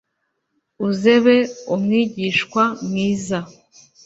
uzebe umwigishwa mwiza